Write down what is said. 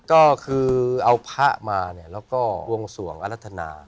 ก็คือเอาพระมาแล้วก็วงสวงอรัตนา